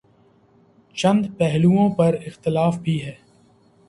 چند پہلوئوں پر اختلاف بھی ہے۔